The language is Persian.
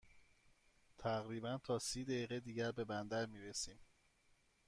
تقریباً تا سی دقیقه دیگر به بندر می رسیم.